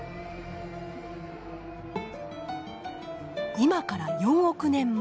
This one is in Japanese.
今から４億年前。